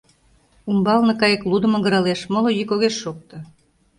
Умбалне кайыклудо магыралеш, моло йӱк огеш шокто.